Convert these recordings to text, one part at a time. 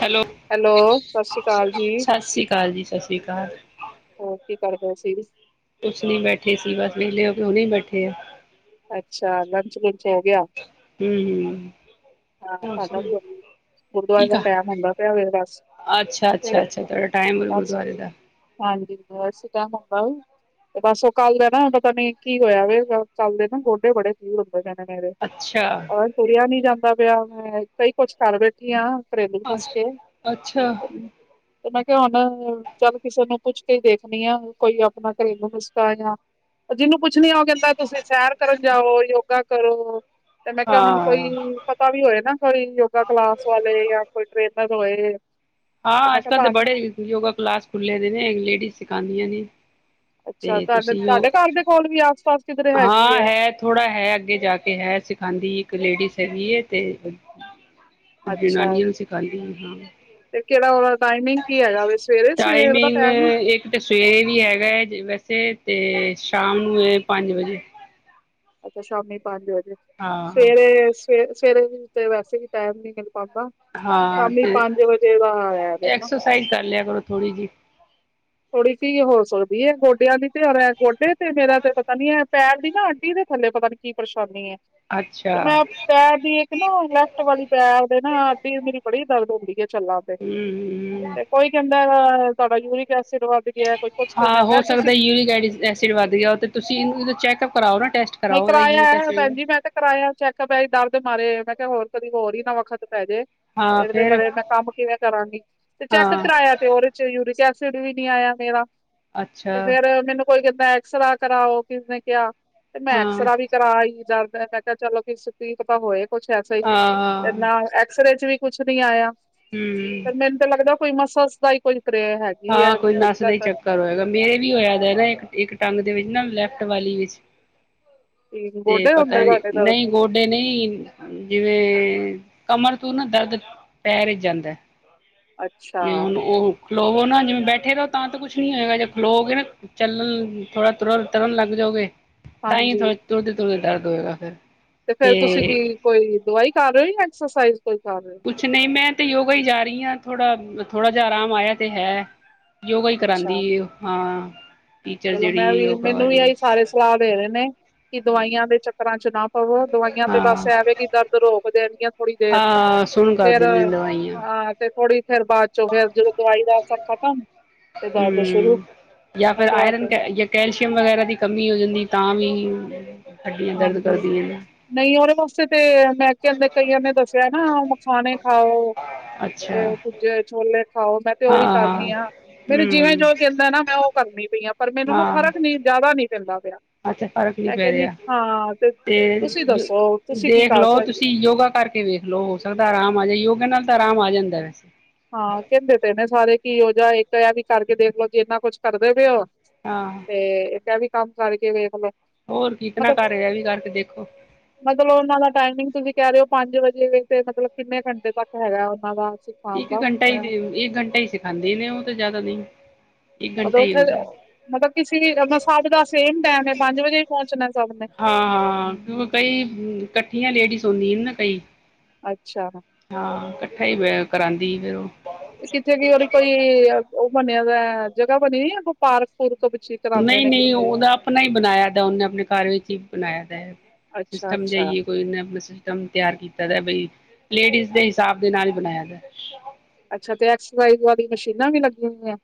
Hello, ਸ੍ਰੀ ਅਕਾਲ ਜੀ ਸਤਿ ਸ਼੍ਰੀ ਅਕਾਲ ਜੀ ਸਤਿ ਸ੍ਰੀ ਅਕਾਲ ਹੋਰ ਕੀ ਕਰਦੇ ਸੀ? ਕੁਛ ਨੀ ਬੈਠੀ ਸੀ ਬਸ ਵਿਹਲੇ ਹੋ ਕੇ ਉਹ ਨੀ ਬੈਠੇ ਆ ਅੱਛਾ ਲੰਚ ਲੁੰਚ ਹੋ ਗਿਆ ਹੂੰ ਹਾਂ ਸਾਡਾ ਵੀ ਹੋ ਗੁਰਦੁਆਰੇ ਠੀਕ ਦਾ ਆ ਟੈਮ ਹੁੰਦਾ ਪਿਆ ਫੇਰ ਬਸ ਅੱਛਾ ਤੇ ਅੱਛਾ ਅੱਛਾ ਤੁਹਾਡਾ ਟਾਈਮ ਬਸ ਗੁਰਦੁਆਰੇ ਦਾ ਹਾਂਜੀ [unintelligible] ਤੇ ਬਸ ਉਹ ਕੱਲ ਦਾ ਨਾ ਪਤਾ ਨੀ ਕੀ ਹੋਇਆ ਵ ਕੱਲ ਦੇ ਨਾ ਗੋਡੇ ਬੜੇ ਪੀੜ ਹੁੰਦੇ ਕਰਦੇ ਨੇ ਮੇਰੇ ਅੱਛਾ ਔਰ ਤੁਰਿਆ ਨਈ ਜਾਂਦਾ ਪਿਆ ਮੈਂ ਕਈ ਕੁਛ ਕਰ ਬੈਠ [unintelligible] ਨੁਸਖੇ ਅੱਛਾ ਉਹ ਚੱਲ ਕਿਸੇ ਨੂੰ ਪੁੱਛ ਕੇ ਦੇਖਣੀ ਆ ਕੋਈ ਆਪਣਾ ਘਰੇਲੂ ਨੁਸਖਾ ਹੈ ਜਾ ਜਿਹਨੂੰ ਪੁੱਛਣੀ ਆ ਉਹ ਕਹਿੰਦਾ ਤੁਸੀਂ ਸੈਰ ਕਰਨ ਜਾਓ ਯੋਗਾ ਕਰੋ ਤੇ ਮੈਂ ਕਿਹਾ ਹੁਣ ਹਾਂ ਕੋਈ ਪਤਾ ਵੀ ਹੋਏ ਨਾ ਕੋਈ ਯੋਗਾ ਕਲਾਸ ਵਾਲੇ ਜਾਂ ਕੋਈ ਟ੍ਰੇਨਰ ਹੋਏ ਤੇ ਹਾਂ ਮੈਂ ਅੱਜ ਕਿਹਾ ਕੱਲ੍ਹ ਤਾਂ ਤੁਹਾਨੂੰ ਬੜੇ ਯੋਗਾ ਕਲਾਸ ਖੁੱਲੇ ਦੇ ਨੇ ਲੇਡੀਜ਼ ਸਿਖਾਦੀਆਂ ਨੇ ਅੱਛਾ ਤੇ ਤੁਹਾਡੇ ਤੁਸੀਂ ਉਹ ਤੁਹਾਡੇ ਘਰ ਦੇ ਕੋਲ ਵੀ ਆਸ ਪਾਸ ਕਿਧਰੇ ਹੈਗੀ ਹੈ ਥੋੜਾ ਹੈ ਅੱਗੇ ਜਾ ਕੇ ਹੈ ਸਿਖਾਉਂਦੀ ਇੱਕ ਲੇਡੀਜ਼ ਹੈਗੀ ਹੈ ਤੇ ਅੱਛਾ ਜਨਾਨੀਆਂ ਨੂੰ ਸਿਖਾਦੀ ਹਾਂ ਤੇ ਕਿਹੜਾ ਉਹਦਾ ਟਾਈਮਿੰਗ ਕੀ ਹੈਗਾ ਵੇ ਸਵੇਰੇ ਸਵੇਰ ਦਾ ਟਾਈਮਿੰਗ ਟਾਈਮ ਹੈ ਇੱਕ ਤੇ ਸਵੇਰੇ ਵੀ ਹੈਗਾ ਹੈ ਵੈਸੇ ਤੇ ਸ਼ਾਮ ਨੂੰ ਏ ਪੰਜ ਵਜੇ ਅੱਛਾ ਸ਼ਾਮੀ ਪੰਜ ਵਜੇ ਹਾਂ ਸਵੇਰੇ ਸਵੇਰੇ ਤੇ ਵੈਸੇ ਵੀ ਟਾਈਮ ਨੀ ਮਿਲ ਪਾਂਦਾ ਹਾਂ ਸ਼ਾਮੀ ਪੰਜ ਵਜੇ ਦਾ ਆ ਗਿਆ ਨਾ ਸਹੀ ਕਰ ਲਿਆ ਕਰੋ ਥੋੜ੍ਹੀ ਜੀ ਥੋੜੀ ਜਈ ਹੀ ਹੋ ਸਕਦੀ ਹੈ ਗੋਡਿਆਂ ਦੀ ਤੇ ਹੋਰ ਗੋਡੇ ਤੇ ਮੇਰਾ ਤੇ ਪਤਾ ਨੀ ਹੈ ਪੈਣ ਦੀ ਨਾ ਅੱਡੀ ਦੇ ਥੱਲੇ ਪਤਾ ਨੀ ਕੀ ਪਰੇਸ਼ਾਨੀ ਹੈ ਤੇ ਅੱਛਾ ਮੈਂ ਪੈਰ ਦੀ ਇੱਕ ਨਾ ਲੈਫਟ ਵਾਲੀ ਪੈਰਦੇ ਨਾ ਅੱਡੀ ਮੇਰੀ ਬੜੀ ਦਰਦ ਹੁੰਦੀ ਹੈ ਚੱਲਣ ਹੂੰ ਤੇ ਕੋਈ ਕਹਿੰਦਾ ਤੁਹਾਡਾ ਯੂਰਿਕ ਐਸਿਡ ਵੱਧ ਗਿਆ ਕੋਈ ਕੁਛ ਹਾਂ ਕਹਿੰਦਾ ਹੋ ਮੈਂ ਸਕਦਾ ਤੁਸੀਂ ਯੂਰਿਕ ਐਸਿਡ ਵੱਧ ਗਿਆ ਤੇ ਤੁਸੀਂ ਚੈੱਕਅਪ ਕਰਾਓ ਨਾ ਟੈਸ ਨਹੀਂ ਕਰਵਾਇਆ ਏ ਭੈਣ ਜੀ ਮੈਂ ਤੇ ਕਰਾਇਆ ਚੈੱਕਅਪ ਦਰਦ ਮਾਰੇ ਮੈਂ ਕਿਹਾ ਹੋਰ ਕਦੀ ਹੋਰ ਹੀ ਨਾ ਵਖਤ ਪੈ ਜੇ ਹਾਂ ਇਹਦੇ ਫਿਰ ਬਾਰੇ ਮੈਂ ਕੰਮ ਕਿਵੇਂ ਕਰਾਂਗੀ ਤੇ ਚੈੱਕ ਹਾਂ ਕਰਾਇਆ ਤੇ ਉਹਦੇ ਚ ਯੂਰਿਕ ਐਸਿਡ ਵੀ ਨੀ ਆਇਆ ਮੇਰਾ ਅੱਛਾ ਤੇ ਫੇਰ ਮੈਨੂੰ ਕੋਈ ਕਹਿੰਦਾ ਐਕਸਰਾ ਕਰਾਓ ਕਿਸ ਨੇ ਕਿਹਾ ਤੇ ਮੈਂ ਹਾਂ ਐਕਸਰਾ ਵੀ ਕਰਾ ਆਈ ਦਰਦ ਮੈਂ ਕਿਹਾ ਚਲੋ ਕੀ ਪਤਾ ਹੋਏ ਕੁਛ ਐਸਾ ਹੀ ਹਾਂ ਤੇ ਹਾਂ ਨਾਲ ਐਕਸਰੇ ਚ ਵੀ ਕੁਛ ਨੀ ਆਇਆ ਹਮ ਤੇ ਮੈਨੂੰ ਤਾਂ ਲੱਗਦਾ ਕੋਈ ਮਸਲਜ ਦਾ ਈ ਕੁਝ ਕਰੇ ਹੈਗਾ ਹਾਂ ਕੋਈ ਨੱਸ ਦਾ ਹੀ ਚੱਕਰ ਹੋਏਗਾ ਮੇਰੇ ਵੀ ਹੋਇਆ ਦਾ ਨਾ ਇੱਕ ਇੱਕ ਟੰਗ ਦੇ ਵਿੱਚ ਨਾ ਲੈਫਟ ਵਾਲੀ ਵਿੱਚ ਤੇ ਗੋਡੇ ਪਤਾ ਹੁੰਦੇ ਨੀ ਤੁਹਾਡੇ ਦਰਦ ਨਹੀਂ ਗੁ ਡੇ ਨਹੀਂ ਜਿਵੇਂ ਕਮਰ ਤੋਂ ਨਾ ਦਰਦ ਪੈਰ ਏਚ ਜਾਂਦਾ ਅੱਛਾ ਨਹੀਂ ਹੁਣ ਉਹ ਖਲੋਵੋ ਨਾ ਜਿਵੇਂ ਬੈਠੇ ਰਹੋ ਤਾਂ ਕੁਛ ਨੀ ਹੋਏਗਾ ਜੇ ਖਲੋਵੋਗੇ ਨਾ ਚੱਲਣ ਥੋੜਾ ਤੁਰਨ ਤੁਰਨ ਲੱਗ ਜਾਓਗੇ ਤਾਂਈ ਹਾਂਜੀ ਥੋ ਤੁਰਦੇ-ਤੁਰਦੇ ਦਰਦ ਹੋਏਗਾ ਫੇਰ। ਤੇ ਫੇਰ ਤੁਸੀਂ ਕੀ ਕੋਈ ਦਵਾਈ ਕਰ ਰੇ ਓ ਯਾਂ ਐਕਸਰਸਾਈਜ਼ ਕੋਈ ਕਰ ਰੇ ਓ? ਕੁਛ ਨਈ ਮੈਂ ਤੇ ਯੋਗਾ ਈ ਜਾ ਰੀਆ ਥੋੜਾ-ਥੋੜਾ ਜਾ ਆਰਾਮ ਆਇਆ ਤੇ ਹੈ। ਯੋਗਾ ਈ ਕਰਾਂਗੀ ਅੱਛਾ ਏ ਓ ਹਾਂ ਟੀਚਰ ਚਲੋ ਜੇੜੀ ਮੈਂ ਵੀ ਯੋਗਾ ਮੈਨੂੰ ਵੀ ਵਾਲੀ ਇਹੀ ਸਾਰੇ ਸਲਾਹ ਦੇ ਰੇਵਨੇ ਕੀ ਦਵਾਈਆਂ ਦੇ ਚੱਕਰਾਂ ਚ ਨਾ ਪਵੋ ਦਵਾਈਆਂ ਤੇ ਹਾਂ ਬਸ ਐਵੇਂ ਕੀ ਦਰਦ ਰੋਕ ਦੇਣਗੀਆਂ ਥੋੜ੍ਹੀ ਦੇਰ ਹਾਂ ਸੁਣ ਕਰ ਫੇਰ ਦਿੰਦੀ ਦਵਾਈਆਂ ਹਾਂ ਤੇ ਥੋੜ੍ਹੀ ਫੇਰ ਬਾ ਚ ਫਿਰ ਜਦੋਂ ਦਵਾਈ ਦਾ ਅਸਰ ਖਤਮ ਤੇ ਦਰਦ ਸ਼ੁਰੂ [unintelligible] ਕ ਜਾਂ ਕੈਲਸ਼ੀਅਮ ਵਗੈਰਾ ਦੀ ਕਮੀ ਹੋ ਜਾਂਦੀ ਤਾਂ ਵੀ ਹੱਡੀਆਂ ਦਰਦ ਹਾਂਜੀ ਕਰਦੀਆਂ ਨੇ ਨਈ ਓਦੇ ਵਾਸਤੇ ਤੇ ਮੈਂ ਕਿਆ ਕਈਆਂ ਨੇ ਦੱਸਿਆ ਨਾ ਛਾਣੇ ਖਾਓ ਅੱਛਾ ਅ ਪੁੱਜੇ ਛੋਲੇ ਖਾਓ ਮੈਂ ਤੇ ਓ ਹਾਂ ਵੀ ਹਾਂ ਕਰਨੀ ਆ। ਮੈਨੂੰ ਹੂੰ ਜਿਵੇਂ ਹੂੰ ਜੋ ਕੈਂਦਾ ਨਾ ਮੈਂ ਓ ਕਰਨੀ ਪਈ ਆ ਪਰ ਮੈਨੂੰ ਨਾ ਹਾਂ ਫ਼ਰਕ ਨੀ ਜਾਦਾ ਨੀ ਪੈਂਦਾ ਪਿਆ। ਅੱਛਾ ਫਰਕ ਨੀ ਮੈਂ ਪੈ ਕਹਿੰਦੀ ਰਿਆ ਹਾਂ ਤੇ ਤੁਸੀਂ ਦੱਸੋ ਤੁਸੀਂ ਕੀ ਦੇਖ ਕਰ ਲਓ ਸਕਦੇ ਤੁਸੀਂ ਯੋਗਾ ਕਰ ਕੇ ਵੇਖ ਲੋ ਹੋ ਸਕਦਾ ਆਰਾਮ ਆ ਜਾਏ ਯੋਗਾ ਨਾਲ ਤਾਂ ਆਰਾਮ ਆ ਜਾਂਦਾ ਵੈਸੇ। ਹਾਂ ਕੈਂਦੇ ਪਏ ਨੇ ਸਾਰੇ ਕੀ ਓ ਜਾ ਇੱਕ ਆ ਵੀ ਕਰਕੇ ਦੇਖਲੋ ਜੇ ਇਨਾ ਕੁਛ ਕਰਦੇ ਪਏ ਓ। ਹਾਂ। ਤੇ ਇਕ ਐ ਵੀ ਕੰਮ ਕਰਕੇ ਵੇਖਲੋ। ਹੋਰ ਕਿਤ ਨਾ ਕਰ ਐ ਵੀ ਕਰਕੇ ਦੇਖੋ। ਮਤਲਬ ਓਨਾਂ ਦਾ ਟਾਈਮਿੰਗ ਤੁਸੀਂ ਕੈ ਰੇ ਓ ਪੰਜ ਵਜੇ ਮਤਲਬ ਕਿੰਨੇ ਘੰਟੇ ਤੱਕ ਹੈਗਾ ਓਨਾਂ ਦਾ ਸਿਖਾਉਣ ਇੱਕ ਦਾ ਘੰਟਾ ਈ ਹਾਂ, ਇੱਕ ਘੰਟਾ ਈ ਸਿਖਾਂਦੇ ਨੇ ਓ ਤਾਂ ਜਾਦਾ ਨਈ। ਮਤਲਬ ਉੱਥੇ ਮਤਲਬ ਕਿਸੀ ਸਭ ਦਾ ਸੇਮ ਟੈਮ ਐ ਪੰਜ ਵਜੇ ਪੋਂਚਣਾ ਸਭ ਨੇ। ਹਾਂ ਹਾਂ ਕਿਉ ਕਈ ਕੱਠੀਆਂ ਲੇਡੀਜ਼ ਹੁੰਦੀਆਂ ਨਾ ਕਈ। ਅੱਛਾ। ਹਾਂ ਕੱਠਾ ਈ ਵ ਕਰਾਂਦੀ ਫੇਰ ਓ। ਕਿੱਥੇ ਕੀ ਓਦੀ ਕੋਈ ਓ ਬਨਿਆ ਦਾ ਜਗ੍ਹਾ ਬਣੀ ਨ ਪਾਰਕ [unintelligible] ਨਈ-ਨਈ ਕਿੱਥੇ ਓਦਾ ਆਪਣਾ ਈ ਬਣਾਇਆ ਦਾ ਉਨੇ ਆਪਣੇ ਘਰ ਵਿੱਚ ਈ ਬਣਾਇਆ ਦੈ। ਅੱਛਾ ਅੱਛਾ ਸਮਝਾਈਏ ਕੋਈ ਉਨੇ ਅਪਣਾ ਸਿਸਟਮ ਤਿਆਰ ਕੀਤਾ ਦਾ ਬਈ ਲੇਡੀਜ਼ ਦੇ ਹਿਸਾਬ ਦੇ ਨਾਲ ਈ ਬਣਾਇਆ ਦੈ। ਅੱਛਾ ਤੇ ਐਕਸਾਈ ਵਾਲੀ ਮਸ਼ੀਨਾਂ ਵੀ ਲੱਗੀਆਂ ਹੋਈਆਂ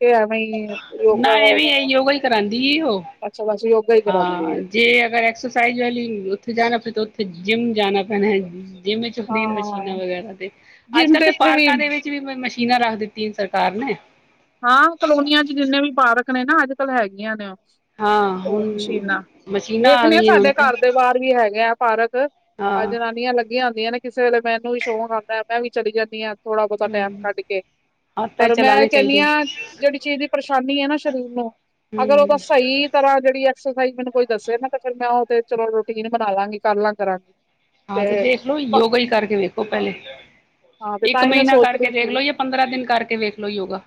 ਤੇ ਐਵੇ ਈ ਨਾ ਐਵੇਂ ਈ ਐ ਯੋਗਾ ਈ ਕਰਾਂਦੀ ਈ ਓ। ਅੱਛਾ [unintelligible] ਕਰਾਉਂਦੇ ਹਾਂ ਹੈ ਜੇ ਅਗਰ ਐਕਸਰਸਾਈਜ਼ ਵਾਲੀ ਉੱਥੇ ਜਾਣਾ ਪੇ ਤਾਂ ਉੱਥੇ ਜਿੰਮ ਜਾਣਾ ਪੈਣਾ ਜਿਮ ਚ ਫ੍ਰੀ ਮਸ਼ੀਨਾਂ ਹਾਂ ਵਗੈਰਾ ਤੇ ਅੱਜ ਜਿੰਮ ਕੱਲ੍ਹ ਤੇ ਇੱਥੇ ਵੀ ਪਾਰਕਾਂ ਦੇ ਵਿੱਚ ਵੀ ਮਸ਼ੀਨਾਂ ਰੱਖ ਦਿੱਤੀਆਂ ਸਰਕਾਰ ਨੇ। ਹਾਂ ਕਲੋਨੀਆਂ ਚ ਜਿੰਨੇ ਵੀ ਪਾਰਕ ਨੇ ਨਾ ਅੱਜ ਕੱਲ੍ਹ ਹੈਗੀਆਂ ਨੇ ਓ। ਹਾਂ ਓ ਹੁਣ ਮਸ਼ੀਨਾਂ ਮਸ਼ੀਨਾਂ ਵੇਖਣੇ ਆ ਗਈਆਂ ਹੁਣ ਸਾਡੇ ਤੇ ਘਰ ਦੇ ਬਾਰ ਵੀ ਹੈਗੇ ਆ ਪਾਰਕ ਹਾਂ ਆ ਜਨਾਨੀਆਂ ਲੱਗੀਆਂ ਹੁੰਦੀਆਂ ਨੇ ਕਿਸੇ ਵੇਲੇ ਮੈਨੂੰ ਵੀ ਸ਼ੌਂਕ ਆਂਦੈ ਮੈਂ ਵੀ ਚਲੀ ਜਾਂਨੀ ਆ। ਥੋੜਾ ਬੋਤਾ ਟੈਮ ਹਮ ਕੱਢ ਕੇ ਪਰ ਮੈਂ ਜੇੜੀ ਚੀਜ਼ ਦੀ ਪਰੇਸ਼ਾਨੀ ਐ ਨਾ ਸਰੀਰ ਨੂੰ ਅਗਰ ਓਦਾ ਸਈ ਤਰ੍ਹਾਂ ਜੇਦੀਬਐਕਸਰਸਾਈਜ਼ ਮੈਨੂੰ ਕੋਈ ਦੱਸੇ ਨਾ ਤੇ ਫਿਰ ਮੈਂ ਓ ਤੇ ਚਲੋ ਰੂਟੀਨ ਬਣਾਲਾਂਗੀ ਕਰਲਾਂ ਕਰਾਂਗੀ। ਹਾਂ ਤੇ ਦੇਖ ਲੋ ਯੋਗਾ ਈ ਕਰਕੇ ਵੇਖੋ ਪੈਲੇ ਹਾਂ ਤੇ ਇੱਕ ਤਾਂ ਹੀ ਮੈਂ ਮਹੀਨਾ ਸੋਚ ਰਹੀ ਕਰਕੇ ਸੀ ਦੇਖਲੋ ਯ ਪੰਦਰਾਂ ਦਿਨ ਕਰਕੇ ਵੇਖਲੋ ਯੋਗਾ।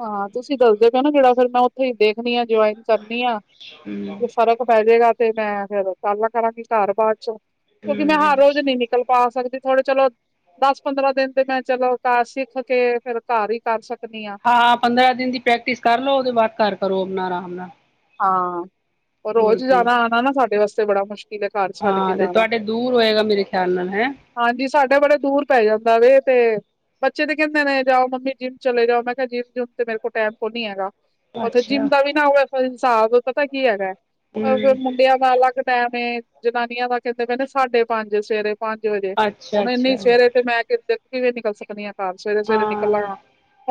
ਹਾਂ ਤੁਸੀਂ ਦੱਸਦੇ ਪਿਓ ਨਾ ਜੇੜਾ ਫਿਰ ਮੈਂ ਉੱਥੇ ਈ ਦੇਖਣੀ ਆ ਜੁਇਨ ਕਰਨੀ ਆ ਹੂੰ ਤੇ ਫ਼ਰਕ ਪੈ ਜੇਗਾ ਤੇ ਮੈਂ ਫੇਰ ਚੱਲ ਕਰਲਾ ਕਰਾਂਗੀ ਘਰ ਬਾਦ ਚੋਂ। ਕਿਉਂਕਿ ਮੈਂ ਹਰ ਹੂੰ ਰੋਜ਼ ਨਈ ਨਿਕਲ ਪਾ ਸਕਦੀ ਥੋੜੇ ਚਲੋ ਦਸ ਪੰਦਰਾਂ ਦਿਨ ਤੇ ਮੈਂ ਚਲੋ ਘਰ ਸਿੱਖ ਕੇ ਫੇਰ ਘਰ ਈ ਕਰ ਸਕਨੀ ਆਂ। ਹਾਂ ਪੰਦਰਾਂ ਦਿਨ ਦੀ ਪ੍ਰੈਕਟਿਸ ਕਰ ਲਓ ਉਦੇ ਬਾਅਦ ਘਰ ਕਰੋ ਆਪਣਾ ਆਰਾਮ ਨਾਲ। ਹਾਂ ਹੋਰ ਰੋਜ ਕੀ ਜਾਣਾ ਆਣਾ ਨਾ ਸਾਡੇ ਵਾਸਤੇ ਬੜਾ ਮੁਸ਼ਕਿ ਹਾਂ ਹਲੇ ਤੁਆਡੇ ਦੂਰ ਹੋਏਗਾ ਮੇਰੇ ਖਿਆਲ ਨਾਲ ਹੈਂ। ਹਾਂਜੀ ਸਾਡੇ ਬੜੇ ਦੂਰ ਪੈ ਜਾਂਦਾ ਵੇ ਤੇ ਬੱਚੇ ਤੇ ਕੈਂਦੇ ਨੇ ਜਾਓ ਮੰਮੀ ਜਿੰਮ ਚਲੇ ਜਾਓ ਮੈ ਕਿਆ ਜਿੰਮ ਜਿਮ ਤੇ ਮੇਰੇ ਕੋਲ ਟੈਮ ਕੋਨੀ ਹੈਗਾ। ਉੱਥੇ ਅੱਛਾ ਜਿੰਮ ਦਾ ਵੀ ਨਾ ਓ ਐਸਾ ਹਿਨਸਾਬ ਪਤਾ ਕੀ ਹੈਗਾ ਓ ਫੇਰ ਹੂੰ ਮੁੰਡਿਆਂ ਦਾ ਅਲੱਗ ਟੈਮ ਏ ਜਨਾਨੀਆਂ ਦਾ ਕੈਂਦੇ ਕੈਂਦੇ ਸਾਢੇ ਪੰਜ ਸਵੇਰੇ ਪੰਜ ਵਜੇ ਅੱਛਾ ਹੁਣ ਅੱਛਾ ਇੰਨੀ ਸਵੇਰੇ ਤੇ ਮੈ ਕੇ ਕਿਵੇਂ ਨਿਕਲ ਸਕਨੀ ਆਂ। ਘਰ ਸਵੇਰੇ ਸਵੇਰੇ ਹਾਂ ਨਿਕਲਾਂਗਾ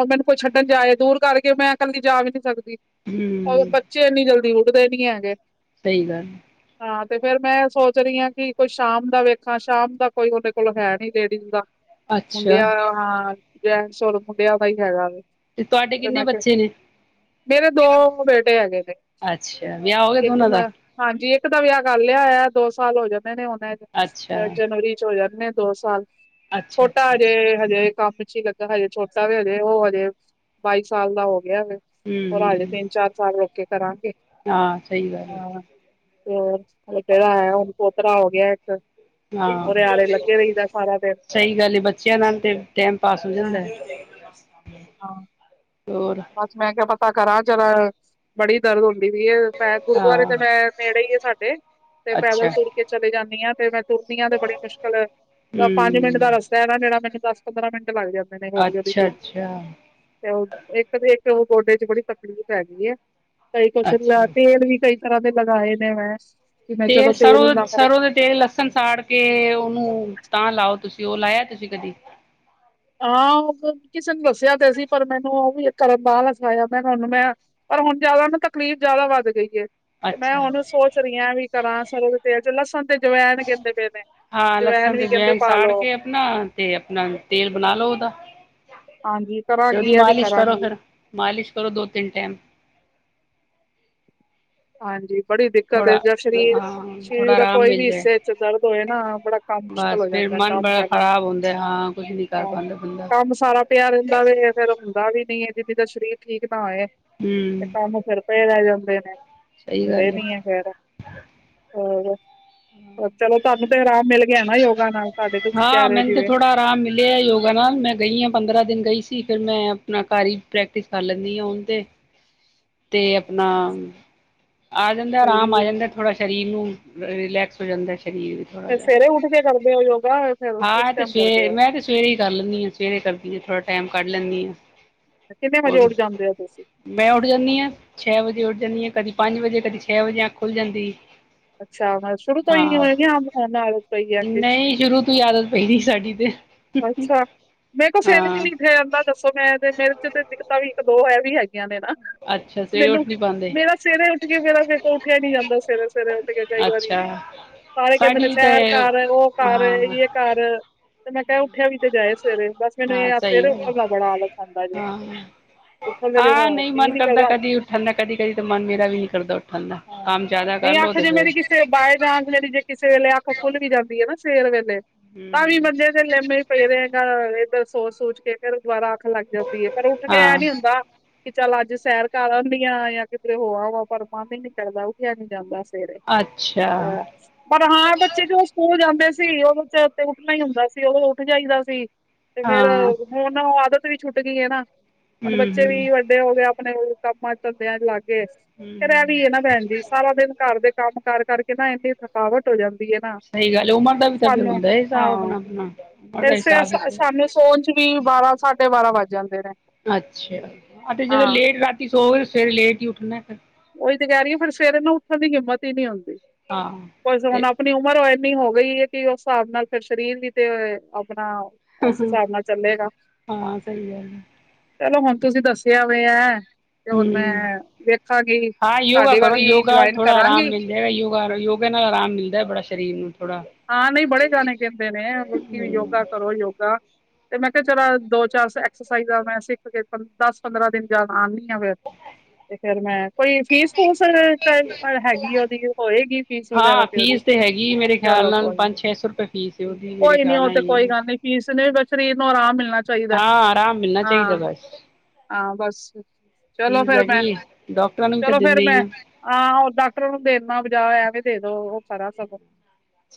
ਓਰ ਮੈਨੂੰ ਕੋਈ ਛੱਡਣ ਜਾਏ ਦੂਰ ਕਰਕੇ ਮੈਂ ਕੱਲੀ ਜਾ ਵੀ ਨੀ ਸਕਦੀ। ਹੁੰ ਔਰ ਬੱਚੇ ਏਨੀ ਜਲਦੀ ਉੱਠਦੇ ਨੀ ਹੈਗੇ। ਸਈ ਗੱਲ। ਹਾਂ ਤੇ ਫੇਰ ਮੈਂ ਐ ਸੋਚ ਰੀ ਆਂ ਕਿ ਕੋਈ ਸ਼ਾਮ ਦਾ ਵੇਖਾਂ ਸ਼ਾਮ ਦਾ ਕੋਈ ਓਦੇ ਕੋਲ ਹੈ ਨੀ ਲੇਡੀਜ਼ ਦਾ। ਅੱਛਾ ਮੁੰਡਿਆਂ ਹਾਂ ਜੈਂਟਸ ਔਰ ਮੁੰਡਿਆਂ ਦਾ ਈ ਹੈਗਾ ਵੇ। ਤੁਹਾਡੇ ਤੇ ਕਿੰਨੇ ਮੈ ਕਿਆ ਬੱਚੇ ਨੇ ਮੇਰੇ ਦੋ ਬੇਟੇ ਹੇਗੇ ਨੇ ਅੱਛਾ ਵਿਆਹ ਹੋ ਗਿਆ ਇੱਕ ਦੋਨਾਂ ਦਾ ਮੈ ਹਾਂਜੀ ਇੱਕ ਦਾ ਵਿਆਹ ਕਰ ਲਿਆ ਹੋਇਆ ਦੋ ਸਾਲ ਹੋ ਜਾਨੇ ਹੁਨ ਐ ਅੱਛਾ ਅ ਜਨਵਰੀ ਚ ਹੋ ਜਾਣੇ ਨੇ ਦੋ- ਸਾਲ ਅੱਛਾ ਛੋਟਾ ਅੱਛਾ ਹਜੇ ਅੱਛਾ ਹਜੇ ਕੰਮ ਚੀ ਲੱਗਾ ਹਜੇ ਛੋਟਾ ਵੇ ਹਲੇ ਓ ਹਲੇ ਬਾਈ ਸਾਲ ਦਾ ਹੋ ਗਿਆ ਵੇ। ਹੁੰ ਹਲੇ ਤਿੰਨ- ਚਾਰ ਸਾਲ ਰੁੱਕ ਕੇ ਕਰਾਂਗੇ ਹਾਂ ਸਈ ਗੱਲ ਏ। ਹਾਂ ਤੇ ਹੋਰ ਹਲੇ ਕੇੜਾ ਹੈ ਹੁਣ ਪੋਤਰਾ ਹੋ ਗਿਆ ਇੱਕ ਹਾਂ। ਉਹਦੇ ਆਰੇ ਲੱਗੇ ਰਹੀਦਾ ਸਾਰਾ ਦਿਨ ਸਈ ਗੱਲ ਏ ਬੱਚਿਆਂ ਨਾਲ ਤੇ ਟੈਮ -ਪਾਸ ਹੋ ਜਾਂਦਾ ਹਾਂ ਐ। ਹਾਂ। ਔਰ ਬਸ, ਮੈ ਕਿਆ ਪਤਾ ਕਰਾਂ ਚਲ ਬੜੀ ਦਰਦ ਹੁੰਦੀ ਪੀ ਏ ਪੈਰ ਗੁਰੂਦੁਆਰੇ ਤੇ ਹਾਂ ਮੈਂ ਨੇੜੇ ਈ ਐ ਸਾਡੇ ਤੇ ਪੈਦਲ ਅੱਛਾ ਤੁਰ ਚਲੀ ਜਾਨੀ ਆ ਤੇ ਮੈਂ ਤੁਰਦੀ ਆਂ ਤੇ ਬੜੀ ਮੁਸ਼ਕਲ ਯਾ ਪੰਜ ਮਿੰਟ ਦਾ ਹੂੰ ਰਸ ਐਨਾ ਜੇੜਾ ਮੈਨੂੰ ਦਸ- ਪੰਦਰਾਂ ਮਿੰਟ ਲੱਗ ਜਾਂਦੇ ਨੇ ਹੌਲੀ- ਹੌਲੀ ਅੱਛਾ ਤੁਰਨੀ ਆ ਅੱਛਾ ਤੇ ਓ ਇੱਕ ਤੇ ਇੱਕ ਓ ਗੋਡੇ ਚ ਬੜੀ ਤਕਲੀਫ਼ ਹੈਗੀ ਐ ਕਈ ਕੁਛ ਅੱਛਾ ਤੇਲ ਵੀ ਕਈ ਤਰ੍ਹਾਂ ਦੇ ਲਗਾਏ ਨੇ ਮੈ। ਤੇਲ ਸਰੋ ਸਰੋ ਦੇ ਤੇ ਲਸਣ ਸਾੜ ਕੇ ਉਨੂੰ ਤਾਂ ਲਾਓ, ਤੁਸੀ ਓ ਲਾਇਆ ਤੁਸੀ ਕਦੀ? ਹਾਂ ਓ ਕਿਸੇ ਨੂੰ ਦੱਸਿਆ ਤੇ ਸੀ ਪਰ ਮੈਨੂੰ ਓ ਵੀ ਕਰਨ ਦਾ ਆਲਸ ਆਇਆ ਮੈ ਹੁਨ ਮੈਂ ਪਰ ਹੁਨ ਜਿਆਦਾ ਨਾ ਤਕਲੀਫ਼ ਜਆਦਾ ਵੱਧ ਗਈ ਏ। ਤੇ ਮੈਂ ਅੱਛਾ ਹੁਨ ਸੋਚ ਰੀ ਆ ਐਵੀ ਕਰਾਂ ਸਰੋਂ ਦੇ ਤੇਲ ਚ ਲਸਣ ਤੇ ਜਵੈਣ ਕੈਂਦੇ ਪਏ ਨੇ। ਜਵੈਣ ਵੀ ਕੈਂਦੇ ਪਾ ਲੋ। ਨਾ ਤੇ ਆਪਣਾ ਤੇਲ ਬਣਾ ਲੋ ਓਦਾ ਹਾਂਜੀ ਤੇ ਕਰਾਂਗੀ ਓਦੀ ਇਹ ਵੀ ਮਾਲਿਸ਼ ਕਰੋ ਕਰਾਂਗੀ ਫੇਰ। ਮਾਲਿਸ਼ ਕਰੋ ਦੋ -ਤਿੰਨ ਟੈਮ। ਹਾਂਜੀ ਬੜੀ ਦਿੱਕਤ ਏ ਥੋੜਾ ਜਾ ਸ਼ਰੀਰ ਹਾਂ ਥੋੜਾ ਸ਼ਰੀਰ ਦੇ ਆਰਾਮ ਕੋਈ ਵੀ ਮਿਲ ਜਾਏ ਹਿੱਸੇ ਚ ਦਰਦ ਹੋਏ ਨਾ ਬੜਾ ਕੰਮ ਮੁਸ਼ਕਿਲ ਹੋ ਬਸ ਫੇਰ ਜਾਂਦਾ ਮਨ ਕੰਮ ਬੜਾ ਕਰਨਾ ਖ਼ਰਾਬ ਹੁੰਦਾ ਹਾਂ ਕੁਛ ਨੀ ਕਰ ਹਾਂ ਪਾਉਂਦਾ ਬੰਦਾ ਕੰਮ ਸਾਰਾ ਪਿਆ ਰਹਿੰਦਾ ਵੀ ਫੇਰ ਹੁੰਦਾ ਵੀ ਨੀ ਐ, ਜਿਦੀ ਦਾ ਸਰੀਰ ਠੀਕ ਨਾ ਹੋਏ, ਤੇ ਹਮ ਕੰਮ ਫਿਰ ਪਏ ਰਹਿ ਜਾਂਦੇ ਨੇ ਸਹੀ ਹੁੰਦੇ ਗੱਲ ਹੈ ਨੀ ਐ, ਖੈਰ ਹੋਰ ਚਲੋ ਤੁਹਾਨੂੰ ਤੇ ਆਰਾਮ ਮਿਲ ਗਿਆ ਨਾ, ਯੋਗਾ ਨਾਲ ਸਾਡੇ ਤੁਸੀਂ ਕਹਿ ਰਹੇ ਹੋ ਜਿਵੇਂ ਲ ਯੋਗਾ ਨਾਲ ਮੈਂ ਗਈ ਆ ਪੰਦਰਾਂ ਦਿਨ ਗਈ ਸੀ, ਫਿਰ ਮੈਂ ਆਪਣਾ ਘਰ ਹੀ ਪ੍ਰੈਕਟਿਸ ਕਰ ਲੈਂਨੀ ਆ ਹੁਣ ਤੇ ਤੇ ਆਪਣਾ, ਆ ਜਾਂਦਾ ਆਰਾਮ ਸਹੀ ਆ ਜਾਂਦਾ ਥੋੜਾ ਸਰੀਰ ਨੂੰ ਰਿਲੈਕਸ ਹੋ ਜਾਂਦਾ ਸਰੀਰ ਥੋੜਾ ਜਿਹਾ ਸਵੇਰੇ ਉੱਠ ਕੇ ਕਰਦੇ ਔ ਯੋਗਾ ਫਿਰ ਹਾਂ ਕਿਸ ਇਹ ਤੇ ਟਾਈਮ ਕਰਦੇ ਸਵੇ ਹੋ ਮੈਂ ਤੇ ਸਵੇਰੇ ਈ ਕਰ ਲੈਂਨੀ ਆ ਸਵੇਰੇ ਕਰਦੀ ਥੋੜਾ ਟਾਈਮ ਕੱਢ ਲੈਂਨੀ ਆ। ਕਿੰਨੇ ਵਜੇ ਉੱਠ ਜਾਂਦੇ ਔ ਤੁਸੀਂ ਮੈਂ ਉੱਠ ਜਾਂਦੀ ਆ, ਛੇ ਵਜੇ ਉੱਠ ਜਾਂਦੀ ਆ ਕਦੀ ਪੰਜ ਵਜੇ ਕਦੀ ਛੇ ਵਜੇ ਅ ਖੁੱਲ ਜਾਂਦੀ ਐ। ਅੱਛਾ, ਮਤ ਸ਼ੁਰੂ ਕੋਈ [unintelligible] ਕੋਈ ਆਦਤ ਪਈ ਦੀ ਸਾਡੀ ਤੇ ਅੱਛਾ ਮੇਰੇ ਕੋਲ ਫੇਰ ਵੀ ਹਾਂ ਨੀਠੇ ਜਾਂਦਾ ਦੱਸੋ, ਮੈਂ ਤੇ ਮੇਰੇ ਚ ਤੇ ਦਿੱਕਤਾਂ ਵੀ ਇੱਕ-ਦੋ ਇਹ ਵੀ ਹੈਗੀ। ਨਾ ਅੱਛਾ ਸਵੇਰੇ ਉੱਠ ਮੈਨੂੰ, ਨੀ ਪਾਉਂਦੇ ਮੇਰਾ ਸਵੇਰੇ ਉੱਠ ਕੇ ਮੇਰਾ ਫੇਰ ਉੱਠਿਆ ਨੀ ਜਾਂਦਾ ਸਵੇਰੇ-ਸਵੇਰੇ ਉਠ ਕਈ ਵਾਰੀ, ਅੱਛਾ ਸਾਰੇ ਕਹਿੰਦੇ ਨੇ ਸਾਡੀ ਤੇ ਸ਼ਹਿਰ ਕਰ ਉਹ ਕਰ ਹਾਂ ਇਹ ਕਰ ਤੇ ਮੈਂ ਉੱਠਿਆ ਵੀ ਤੇ ਜਾਏ ਸਵੇਰੇ ਬਸ, ਮੈਨੂੰ ਹਾਂ ਇਹ ਸਹੀ ਸਵੇਰੇ ਗੱਲ ਉੱਠਣ ਦਾ ਹੈ। ਬੜਾ ਆਲਸ ਆਦਾ ਜੇ। ਹਾਂ ਉੱਠਣ ਦੇ ਹਾਂ ਨੀ ਜੀਅ ਮਨ ਕਰਦਾ ਕਦੀ ਉੱਠਣ ਦਾ ਕਦੀ-ਕਦੀ ਤਾਂ ਮਨ ਮੇਰਾ ਵੀ ਨਹੀਂ ਕਰਦਾ ਉੱਠਣ ਦਾ। ਹਾਂ ਕੰਮ ਜਿਆਦਾ ਨਹੀਂ ਕਰਲੋ ਅੱਖ ਤੇ ਜੇ ਫੇਰ ਮੇਰੀ ਕਿਸੇ ਬਾਏ ਚਾਂਸ ਜਿਹੜੀ ਜੇ ਕਿਸੇ ਵੇਲੇ ਅੱਖ ਖੁੱਲ ਵੀ ਜਾਂਦੀ ਐ ਨਾ ਸਵੇਰ ਵੇਲੇ ਤਾਂ ਵੀ ਹਮ ਹਮ ਬੰਦੇ ਲੇਮੇ ਪਏ ਰਹੇਗਾ ਇੱਧਰ ਸੋਚ-ਸੋਚ ਕੇ ਫੇਰ ਦੁਬਾਰਾ ਅੱਖ ਲੱਗ ਜਾਂਦੀ ਐ ਪਰ ਉੱਠ ਕੇ ਐ ਹਾਂ ਨੀ ਹੁੰਦਾ। ਕੀ ਚੱਲ, ਅੱਜ ਸੈਰ ਕਰ ਆਂਦੀ ਆ ਆ ਕਿਧਰੇ ਹੋ ਆਵਾ ਪਰ ਮਨ ਈ ਨੀ ਕਰਦਾ ਉਠਿਆ ਨੀ ਜਾਂਦਾ ਸਵੇਰੇ ਅੱਛਾ। ਅ ਪਰ ਹਾਂ ਬੱਚੇ ਜੋ ਸਕੂਲ ਜਾਂਦੇ ਸੀ ਉਹਦੇ ਚ ਤੇ ਉੱਠਣਾ ਈ ਹੁੰਦਾ ਸੀ ਉਹੋਂ ਉੱਠ ਜਾਈਦਾ ਸੀ। ਤੇ ਫੇਰ ਹਾਂ ਹਮ ਹੁਨ ਓ ਆਦਤ ਵੀ ਛੁੱਟ ਗੀ ਐ ਨਾ, [unintelligible] ਬੱਚੇ ਹਮ ਵੀ ਵੱਡ [unintelligible] ਫੇਰ ਐ ਹਮ ਵੀ ਐ ਨਾ ਭੈਣ ਜੀ। ਸਾਰਾ ਦਿਨ ਘਰ ਦੇ ਕੰਮ-ਕਾਰ ਕਰਕੇ ਨਾ ਏਨੀ ਥਕਾਵਟ ਹੋ ਜਾਂਦੀ ਐ ਨਾ ਸਹੀ ਗੱਲ ਉਮਰ ਦਾ ਵੀ ਤਾਂ ਫਿਰ ਸਾਨੂੰ, ਹੁੰਦਾ ਹਿਸਾਬ ਹਾਂ। ਆਪਣਾ ਆਪਣਾ ਉਮਰ ਦਾ ਤੇ ਹਿਸਾਬ ਵੀ ਸਾਨੂੰ ਸੋਨ ਚ ਵੀ ਬਾਰਾਂ-ਸਾਢੇ ਬਾਰਾਂ ਵੱਜ ਜਾਂਦੇ ਨੇ। ਅੱਛਾ, ਤੇ ਜਦੋਂ ਹਾਂ ਲੇਟ ਰਾਤੀ ਸੋਵੇ ਸਵੇਰੇ ਲੇਟ ਈ ਉੱਠਨੇ ਫੇਰ, ਓਈ ਤੇ ਕੈ ਰੀ ਆ, ਫਿਰ ਸਵੇਰ ਨਾ ਉੱਠਣ ਦੀ ਹਿੰਮਤ ਈ ਨੀ ਹੁੰਦੀ ਹਾਂ ਬਸ ਤੇ ਹੁਣ ਆਪਣੀ ਉਮਰ ਹੋਏ ਨੀ ਹੋ ਗਈ ਐ, ਕੇ ਉਸ ਹਿਸਾਬ ਨਾਲ ਫਿਰ ਸ਼ਰੀਰ ਵੀ ਤੇ ਆਪਨਾ ਉਸ ਹਿਸਾਬ ਨਾਲ ਚੱਲੇਗਾ। ਹਾਂ ਸਹੀ ਗੱਲ ਹੈ ਚਲੋ, ਹੁਣ ਤੁਸੀਂ ਦੱਸਿਆ ਹੋਇਆ ਐ, ਤੇ ਹੁਣ ਮੈਂ ਹਮ ਵੇਕ [unintelligible] ਤਾਡੇ ਵਾਲੀ ਜੁਆਇਨ ਕਰਾਂਗੀ। ਯੋਗਾ-ਯੋਗਾ ਨਾਲ ਆਰਾਮ ਮਿਲਦਾ ਐ ਬੜਾ, ਸ਼ਰੀਰ ਨੂੰ ਥੋੜਾ। ਹਾਂ, ਨਈ ਬੜੇ ਜਾਣੇ ਕੇਦੇ ਨੇ, ਤੁਸੀ ਵੀ ਹਮ ਯੋਗਾ ਕਰੋ ਯੋਗਾ। ਤੇ, ਮੈਂ ਕੇਆ ਚਲਾ ਦੋ-ਚਾਰਸ ਐਕਸਸਾਈ ਮੈਂ ਸਿੱਖ ਕੇ ਪੰਦ-ਦਸ-ਪੰਦਰਾਂ ਦਿਨ ਜਾ ਆਂਦੀ ਆ ਫੇਰ। ਤੇ ਫੇਰ ਮੈਂ ਕੋਈ ਫੀਸ-ਫੂਸ ਹੈਗੀ ਐ ਓਦੀ ਹੋਏਗੀ ਫੀਸ ਵਗੈਰਾ ਹਾਂ ਤੇ ਓਦੀ। ਫੀਸ ਤੇ ਹੈਗੀ ਮੇਰੇ ਖਿਆਲ ਨਾਲ ਪੰਜ-ਛੇ-ਸੌ ਰੁਪਏ ਫੀਸ ਓਦੀ ਮੇਰੇ ਖਿਆਲ ਨਾਲ ਈ ਨਈ ਫੀਸ ਨੇ ਵੱਖਰਾ ਈ ਸਰੀਰ ਨੂੰ ਆਰਾਮ ਮਿਲਣਾ ਚਾਹੀਦਾ, ਹਾਂ ਆਰਾਮ ਮਿਲਣਾ ਚਾਹੀਦਾ ਬਸ ਹਾ-ਹਾ ਬਸ ਚਲੋ ਫੀਸ ਫੇਰ ਦਾ ਮੈਂ, ਕੀ ਡਾਕਟਰਾਂ ਨੂੰ ਵੀ ਤਾਂ ਚਲੋ ਫੇਰ ਦਿੰਦੇ ਹੀ ਮੈਂ ਆ ਆ ਓਹ ਡਾਕਟਰ ਨੂੰ ਦੇਨਾ ਬਜਾ, ਐਵੇਂ ਦੇ ਦੋ ਓਹ ਖਰਾ ਸਗੋਂ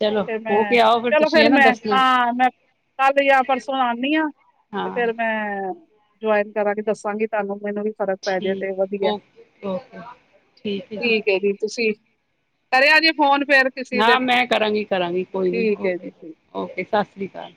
ਚਲੋ ਤੇ ਹੋ ਮੈਂ, ਕੇ ਆਓ ਫਿਰ ਚਲੋ ਤੁਸੀਂ ਹੈ ਫੇਰ ਨਾ ਮੈਂ, ਦੱਸਣਾ ਹਾਂ ਮੈਂ ਕੱਲ ਯਾ ਪਰਸੋਂ ਆਨੀ ਆ ਤੇ ਹਾਂ ਫੇਰ ਮੈਂ ਜੁਆਇਨ ਕਰਾਂਗੀ, ਦੱਸਾਂਗੀ ਤਾਨੂੰ ਮੈਨੂੰ ਵੀ ਫ਼ਰਕ ਪੈ ਜੇ ਤੇ ਠੀਕ ਵਧੀਆ, ਓਕੇ ਓਕੇ ਠੀਕ ਐ ਜੀ, ਤੁਸੀਂ ਕਰਿਆ ਜੇ ਫੋਨ ਫੇਰ? ਕਿਸੇ ਨਾ ਦਿਨ ਮੈਂ ਕਰਾਂਗੀ-ਕਰਾਂਗੀ, ਕੋਈ ਨੀ ਠੀਕ ਹੈ ਜੀ ਠੀਕ ਓਕੇ-ਓਕੇ, ਸਤਿ ਸ੍ਰੀ ਅਕਾਲ।